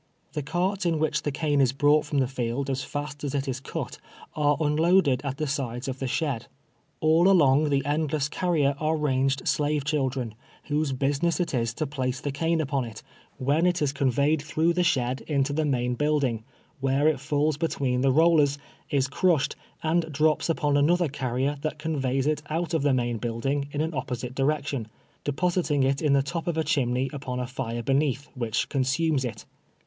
The carts in w^hich the cane is brought from the field as fast as it is cut, are un loaded at the sides of the shed. All along the endless carrier are ranged slave children, whose business it is to place the cane upon it, when it is conveyed through 212 TWELVE TEAKS A SLAVE. the slied into the miiin building, Avliere it falls be tM'een the rollers, is crushed, and drops upon anotlier can iLT that convoys it out of the main building in an 0])p'>site direction, depositing it in the top of a chim ney ui)on a fire l»eneath, Avliich consumes it.